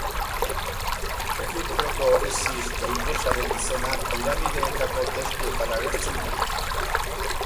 Egiptoko Isis jainkosaren izena piramideetako testuetan agertzen da.